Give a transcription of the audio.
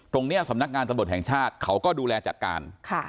สำนักงานตำรวจแห่งชาติเขาก็ดูแลจัดการ